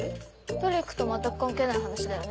『ＴＲＩＣ』と全く関係ない話だよね？